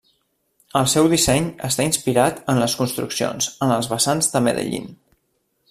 El seu disseny està inspirat en les construccions en els vessants de Medellín.